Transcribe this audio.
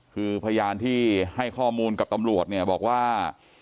คือพยานที่ให้ข้อมูลกับตำรวจเนี่ยบอกว่า